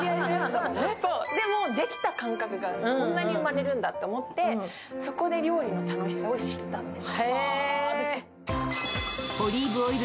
でもできた感覚がこんなに生まれるんだと思ってそこで料理の楽しさを知ったんです。